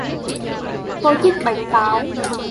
tôi thích bánh táo